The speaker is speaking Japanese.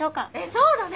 そうだね。